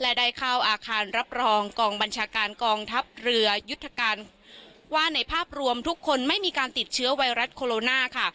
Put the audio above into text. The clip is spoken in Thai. และได้เข้าอาคารรับรองกองบัญชาการกองทัพเรือยุทธการว่าในภาพรวมทุกคนไม่มีการติดเชื้อไวรัสโคโรนาค่ะ